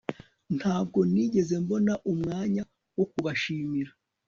ntabwo nigeze mbona umwanya wo kubashimira